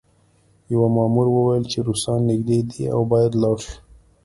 یوه مامور وویل چې روسان نږدې دي او باید لاړ شو